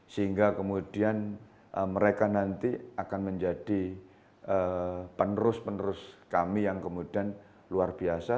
sehingga kemudian mereka nanti akan menjadi penerus penerus kami yang kemudian luar biasa